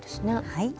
はい。